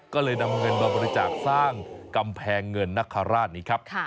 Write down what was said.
ก็เลยนำเงินมาบริจาคสร้างกำแพงเงินนคราชนี้ครับ